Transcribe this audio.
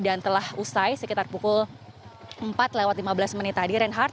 dan telah usai sekitar pukul empat lewat lima belas menit tadi reinhardt